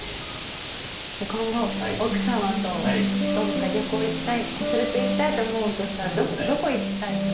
今後奥さまとどこか旅行行きたい連れていきたいと思うとしたらどこ行きたいとか。